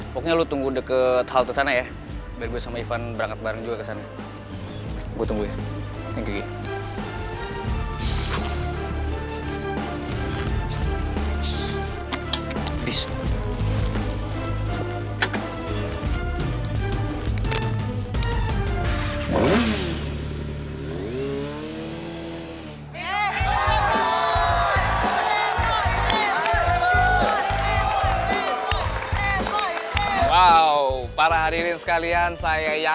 pokoknya lu tunggu deket hal kesana ya